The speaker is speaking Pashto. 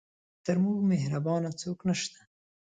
تر مور مهربانه څوک نه شته .